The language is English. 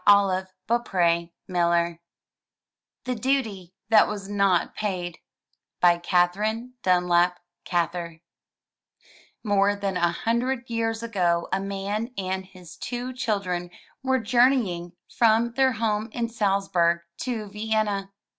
Ill M Y BOOK HOUSE THE DUTY THAT WAS NOT PAID* Katherine Dunlap Gather More than a hundred years ago a man and his two children were journeying from their home in Salzburg to Vienna.